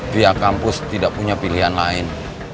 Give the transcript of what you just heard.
pihak kampus tidak punya pilihan lain